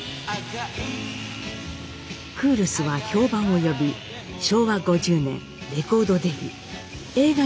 クールスは評判を呼び昭和５０年レコードデビュー。